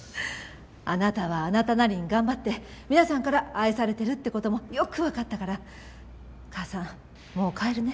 あなたはあなたなりに頑張って皆さんから愛されてるって事もよくわかったから母さんもう帰るね。